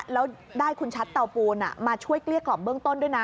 แล้วได้คุณชัดเตาปูนมาช่วยเกลี้ยกล่อมเบื้องต้นด้วยนะ